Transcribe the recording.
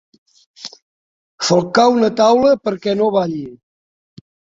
Falcar una taula perquè no balli.